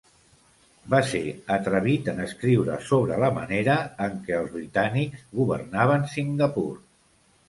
Va ser atrevit en escriure sobre la manera en què els britànics governaven Singapur.